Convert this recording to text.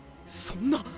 そんな！